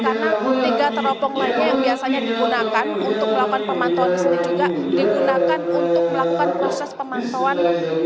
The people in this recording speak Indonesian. karena tiga teropong lainnya yang biasanya digunakan untuk melakukan pemantauan di sini juga digunakan untuk melakukan proses pemantauan